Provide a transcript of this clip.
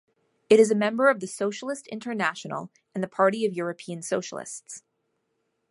It is a member of the Socialist International and the Party of European Socialists.